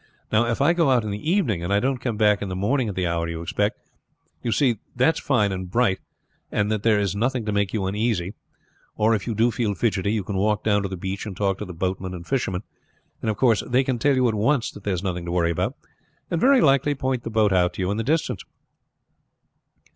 Now, if I go out in the evening, and I don't come back in the morning at the hour you expect, you see that it is fine and bright, and that there is nothing to make you uneasy; or if you do feel fidgety, you can walk down to the beach and talk to the boatmen and fishermen, and of course they can tell you at once that there's nothing to worry about, and very likely point the boat out to you in the distance."